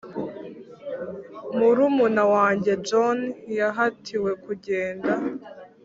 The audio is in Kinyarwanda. murumuna wanjye john yahatiwe kugenda,